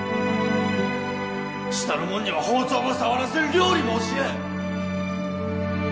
下のもんには包丁も触らせん料理も教えん